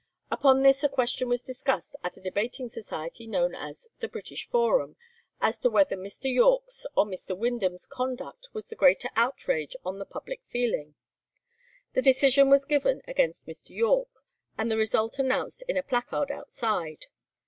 Upon this a question was discussed at a debating society known as the "British Forum," as to whether Mr. Yorke's or Mr. Windham's conduct was the greater outrage on the public feeling. The decision was given against Mr. Yorke, and the result announced in a placard outside.